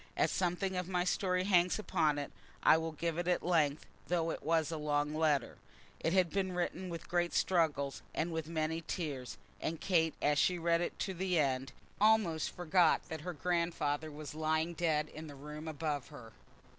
As something of my story hangs upon it, I will give it at length, though it was a long letter. It had been written with great struggles, and with many tears, and Kate, as she read it to the end, almost forgot that her grandfather was lying dead in the room above her.